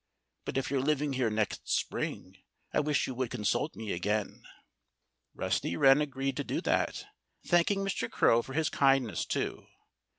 But if you're living here next spring, I wish you would consult me again." Rusty Wren agreed to that, thanking Mr. Crow for his kindness, too.